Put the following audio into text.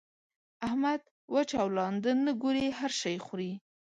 احمد؛ وچ او لانده نه ګوري؛ هر شی خوري.